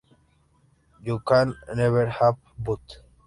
You can never have both.